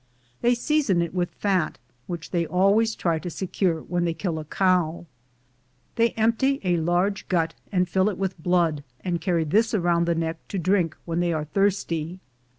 They season it with fat, which they always try to secure when they kill a cow. 1 They empty a large gut and fill it with blood, and carry this around the neck to drink when they are thirsty.